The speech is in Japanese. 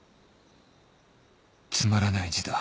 つまらない字だ